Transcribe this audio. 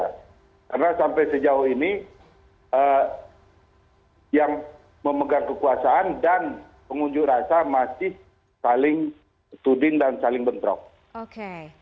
karena sampai sejauh ini yang memegang kekuasaan dan pengunjung rasa masih saling tutup dan saling bentrok